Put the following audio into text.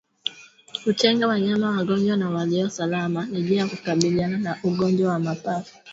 Kutenga wanyama wagonjwa na walio salama ni njia ya kukabiliana na ugonjwa wa mapafu